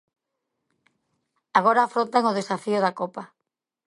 Agora afrontan o desafío da Copa.